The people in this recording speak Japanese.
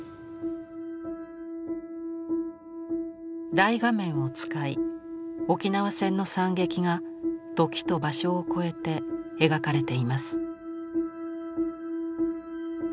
大画面を使い沖縄戦の惨劇が時と場所を超えて描かれています。